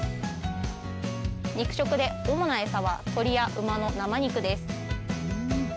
肉食で主な餌は鶏や馬の生肉です